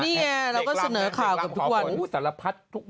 นี่ไงเราก็เสนอข่าวกับทุกคน